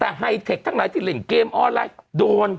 แต่ไฮเทคทั้งหลายที่เล่นเกมออนไลน์โดน